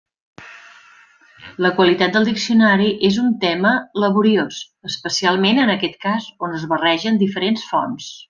La qualitat del diccionari és un tema laboriós, especialment en aquest cas on es barregen diferents fonts.